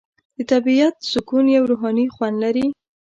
د طبیعت سکون یو روحاني خوند لري.